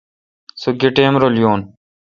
سو گیہ ٹئم رل یوں۔